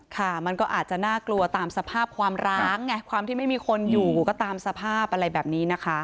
ค่ะมันก็อาจจะน่ากลัวตามสภาพความร้างไงความที่ไม่มีคนอยู่ก็ตามสภาพอะไรแบบนี้นะคะ